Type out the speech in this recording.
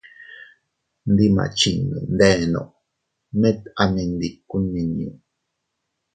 Ndi ma chinno ndenno, mit a mendiku nmiñu.